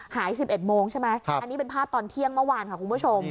หาย๑๑โมงใช่ไหมอันนี้เป็นภาพตอนเที่ยงเมื่อวานค่ะคุณผู้ชม